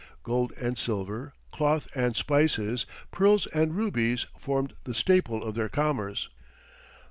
Gold and silver, cloth and spices, pearls and rubies, formed the staple of their commerce.